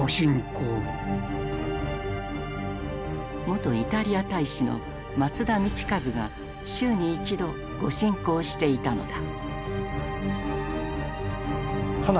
元イタリア大使の松田道一が週に一度御進講していたのだ。